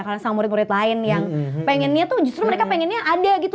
karena sama murid murid lain yang pengennya tuh justru mereka pengennya ada gitu